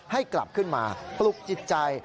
ให้กลับขึ้นมาปลุกจิตใจ